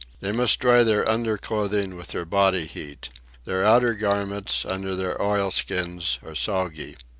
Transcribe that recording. They must dry their underclothing with their body heat. Their outer garments, under their oilskins, are soggy.